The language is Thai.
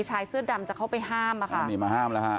ชายเสื้อดำจะเข้าไปห้ามนะคะชายเสื้อท่านหนีมาห้ามแล้ว